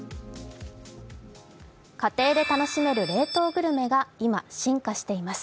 家庭で楽しめる冷凍グルメが、今進化しています。